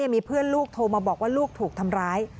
มีเพื่อนลูกโทรมาบอกว่าลูกถูกทำร้าย